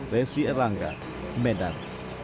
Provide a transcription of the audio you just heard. resi erlangga medan